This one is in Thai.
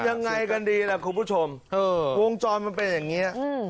ยังไงกันดีล่ะคุณผู้ชมเออวงจรมันเป็นอย่างเงี้อืม